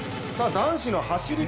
男子の走り